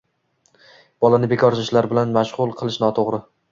bolani bekorchi ishlar bilan mashg‘ul qilish no'to'gri.